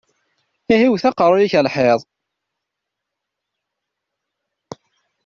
Ihi wwet aqeṛṛu-yik ɣer lḥiḍ!